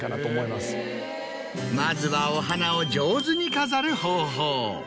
まずはお花を上手に飾る方法。